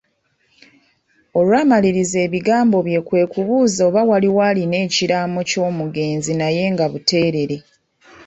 Olwamaliriza ebigambo bye kwe kubuuza oba waliwo alina ekiraamo ky'omugenzi naye nga buteerere.